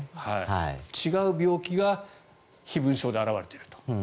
違う病気が飛蚊症で現れていると。